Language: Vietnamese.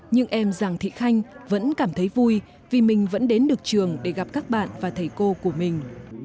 nhưng em giàng thị khanh vẫn cảm thấy vui vì mình vẫn đến được trường để gặp các bạn và thầy cô của mình